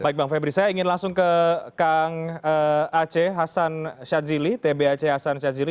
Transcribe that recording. baik bang febri saya ingin langsung ke kang ac hasan shadzili tb ac hasan shadzili